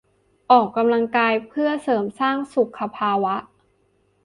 ออกกำลังกายเพื่อเสริมสร้างสุขภาวะ